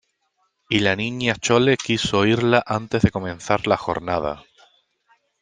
y la Niña Chole quiso oírla antes de comenzar la jornada.